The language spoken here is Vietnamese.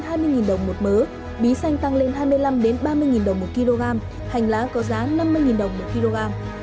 giá bán một triệu đồng một mớ bí xanh tăng lên hai mươi năm ba mươi đồng một kg hành lá có giá năm mươi đồng một kg